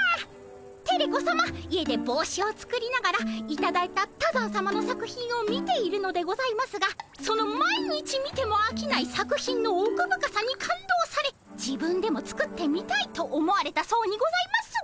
テレ子さま家で帽子を作りながらいただいた多山さまの作品を見ているのでございますがその毎日見てもあきない作品の奥深さに感動され自分でも作ってみたいと思われたそうにございます。